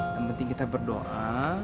yang penting kita berdoa